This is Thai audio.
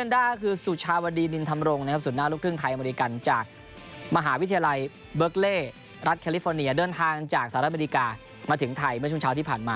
ดันดาคือสุชาวดีนินธรรมรงนะครับส่วนหน้าลูกครึ่งไทยอเมริกันจากมหาวิทยาลัยเบิร์กเล่รัฐแคลิฟอร์เนียเดินทางจากสหรัฐอเมริกามาถึงไทยเมื่อช่วงเช้าที่ผ่านมา